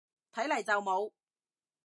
睇嚟就冇